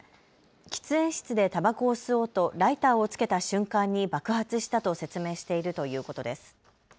喫煙室でたばこを吸おうとライターをつけた瞬間に爆発したと説明しているということです。